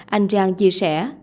anh giang chia sẻ